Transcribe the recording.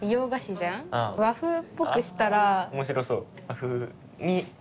面白そう！